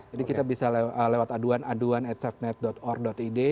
jadi kita bisa lewat aduan aduan at safenet org id